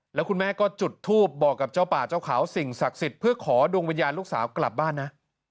แล้วคุณแม่ก็จุดทูปบอกกับเจ้าป่าเจ้าเขาสิ่งศักดิ์สิทธิ์เพื่อขอดวงวิญญาณลูกสาวกลับบ้านนะ